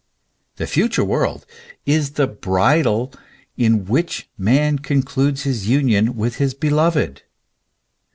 The future world is the bridal in which man concludes his union with his beloved.